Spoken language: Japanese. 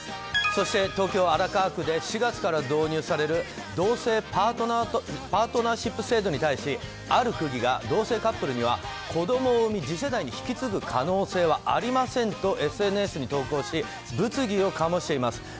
そして東京・荒川区で４月から導入される同性パートナーシップ制度に対しある区議が同性カップルには子供を産み次世代に引き継ぐ可能性はありませんとＳＮＳに投稿し物議を醸しています。